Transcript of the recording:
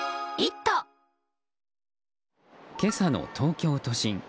今朝の東京都心。